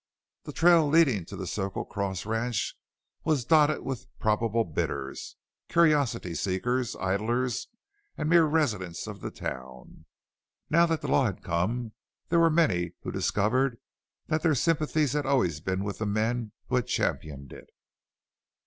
The trail leading to the Circle Cross ranch was dotted with probable bidders, curiosity seekers, idlers, and mere residents of the town. Now that the law had come there were many who discovered that their sympathies had always been with the men who had championed it.